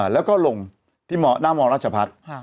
แล้วก็ลงที่หน้ามรัชพัฒน์